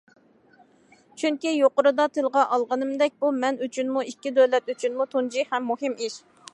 چۈنكى، يۇقىرىدا تىلغا ئالغىنىمدەك، بۇ مەن ئۈچۈنمۇ، ئىككى دۆلەت ئۈچۈنمۇ تۇنجى ھەم مۇھىم ئىش.